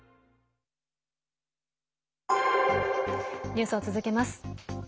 ニュースを続けます。